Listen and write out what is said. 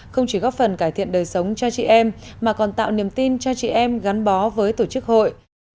không chỉ góp phần cải thiện đời sống cho chị em mà còn tạo niềm tin cho chị em gắn bó với tổ chức hội